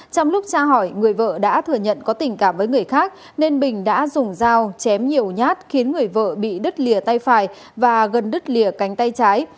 trong lúc tra hỏi người vợ đã thừa nhận có tình cảm với người khác nên bình đã dùng dao chém nhiều nhát khiến người vợ bị đứt lìa tay phải và gần đứt lìa cánh tay trái